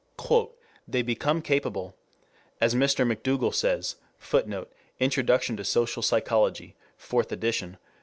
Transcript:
"They become capable," as Mr. McDougall says, [Footnote: Introduction to Social Psychology, Fourth Edition, pp.